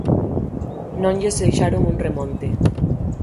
Non lles deixaron un remonte...